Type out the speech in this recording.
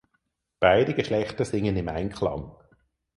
Beide Geschlechter singen im Einklang.